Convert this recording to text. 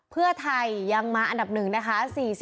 เพื่อไทยยังมาอันดับหนึ่งนะคะ๔๐๓๘